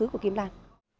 của kim lan